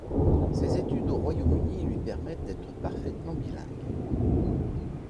Ses études au Royaume-Uni lui permettent d'être parfaitement bilingue.